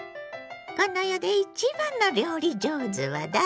この世で一番の料理上手はだれ？